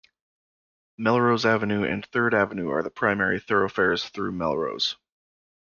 Melrose Avenue and Third Avenue are the primary thoroughfares through Melrose.